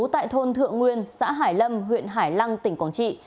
tại thôn thượng nguyên xã hải lâm huyện hải lăng tỉnh quảng trị